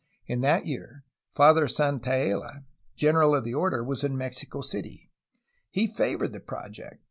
In that year Father Santaella, general of the order, was in Mexico City. He favored the project.